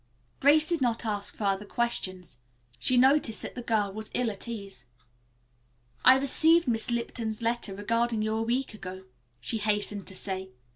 Grace did not ask further questions. She noted that the girl was ill at ease. "I received Miss Lipton's letter regarding you a week ago," she hastened to say.